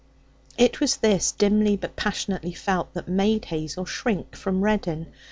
It was this, dimly but passionately felt, that made Hazel shrink from Reddin.